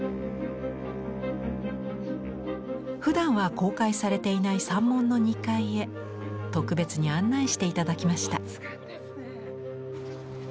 ふだんは公開されていない三門の２階へ特別に案内していただきました。